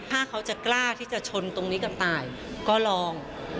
ถ้าเขาจะกล้าที่จะชนตรงนี้กับตายก็ลอง